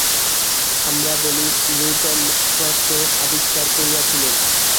আমরা বলি, নিউটন মাধ্যাকর্ষণ আবিষ্কার করিয়াছিলেন।